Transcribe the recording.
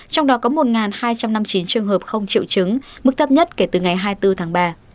trong đó có một hai trăm năm mươi chín trường hợp không triệu chứng mức thấp nhất kể từ ngày hai mươi bốn tháng ba